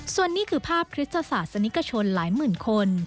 ส่วนนี้คือภาพคริสตศาสนิกชนหลายหมื่นคน